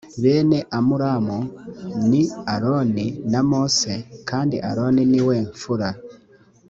bene amuramu ni aroni na mose kandi aroni ni we mfura